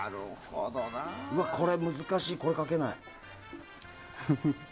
これ難しいこれ描けない。